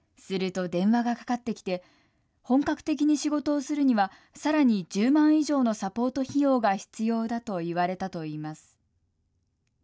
すると、電話がかかってきて本格的に仕事をするにはさらに１０万以上のサポート費用が必要だと言われたといいます。